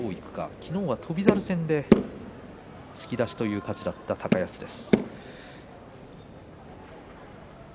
昨日は翔猿戦で突き出しという勝ちがあった高安です。